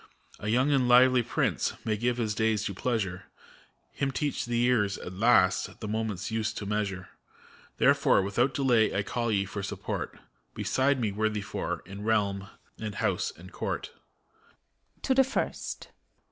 A young and lively Prince may give his days to pleasure ; Him teach the years^ at last, the moment's use to measure. Therefore, without delay, I call ye, for support. Beside me, worthy Four, in realm and house and court. {To the First.)